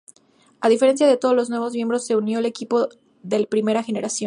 A diferencia de todos los nuevos miembros, se unió al equipo de primera generación.